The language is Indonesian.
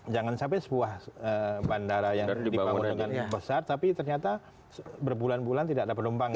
jangan sampai sebuah bandara yang dibangun dengan besar tapi ternyata berbulan bulan tidak ada penumpang